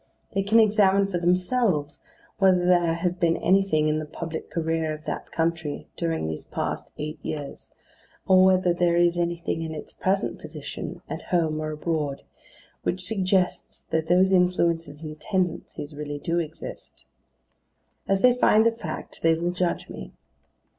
They can examine for themselves whether there has been anything in the public career of that country during these past eight years, or whether there is anything in its present position, at home or abroad, which suggests that those influences and tendencies really do exist. As they find the fact, they will judge me.